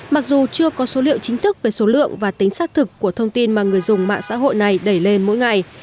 mặc dù chưa có số liệu chính thức về số lượng và tính xác thực của thông tin mà người dùng mạng xã hội này đẩy lên mỗi ngày